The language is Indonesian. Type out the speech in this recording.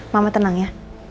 mama tenang ya